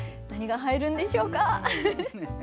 何が入るんでしょうか？